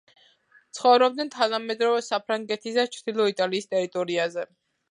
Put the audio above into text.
ცხოვრობდნენ თანამედროვე საფრანგეთის და ჩრდილო იტალიის ტერიტორიაზე.